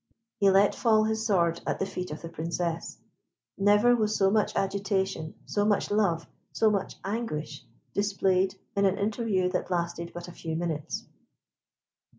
He let fall his sword at the feet of the Princess. Never was so much agitation, so much love, so much anguish, displayed in an interview that lasted but a few minutes.